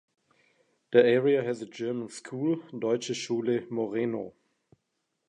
The area has a German school, Deutsche Schule Moreno.